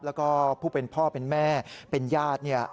แล้วก็ผู้เป็นพ่อเป็นแม่เป็นญาติเนี่ย